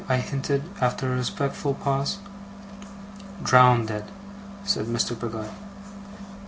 I hinted, after a respectful pause. 'Drowndead,' said Mr. Peggotty.